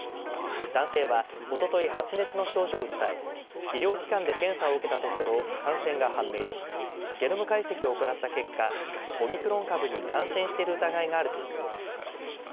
男性はおととい発熱の症状を訴え医療機関で検査を受けたところ感染が判明しゲノム解析を行った結果オミクロン株に感染している疑いがあるということです。